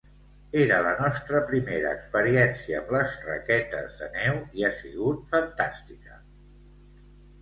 Era la nostra primera experiència amb les raquetes de neu i ha sigut fantàstica!